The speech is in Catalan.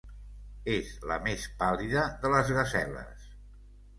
És la més pàl·lida de les gaseles.